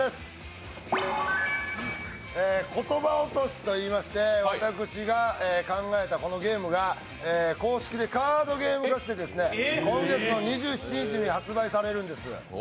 「ことば落とし」と言いまして私が考えたこのゲームが公式でカードゲーム化して今月の２７日に発売されるんです。